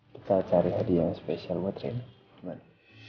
kita cari hadiah yang spesial buat renai